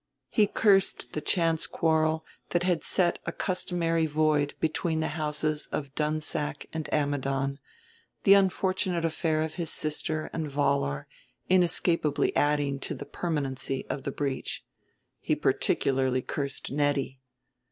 He cursed the chance quarrel that had set a customary void between the houses of Dunsack and Ammidon, the unfortunate affair of his sister and Vollar inescapably adding to the permanency of the breach; he particularly cursed Nettie.